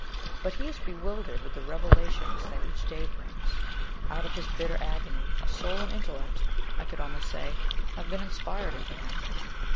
But he is bewildered with the revelations that each day brings. Out of his bitter agony, a soul and intellect, I could almost say, have been inspired into him."